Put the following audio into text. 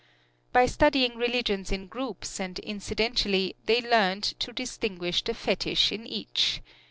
By studying religions in groups and incidentally, they learned to distinguish the fetish in each.